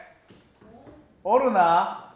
おるな。